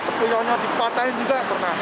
sepiolnya dipatahin juga